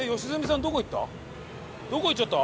どこ行っちゃった？